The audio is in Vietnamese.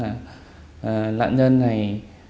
nạn nhân này